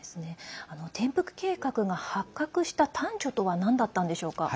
転覆計画が発覚した端緒とはなんだったんでしょうか。